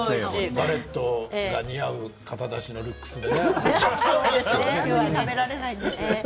ガレットが似合う肩出しのルックスでね。